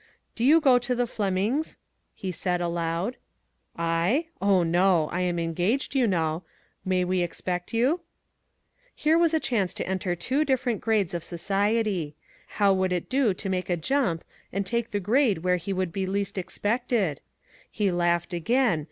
" Do you go to the Flemings' ?" he said aloud. "I? Oh, no. I am engaged, you know. May we expect you?" Here was a chance to enter two different grades of society. How would it do to make a jump and take the grade where he would be least expected ? He laughed again.